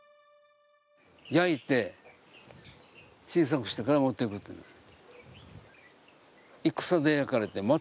焼いて小さくしてから持っていくというんです。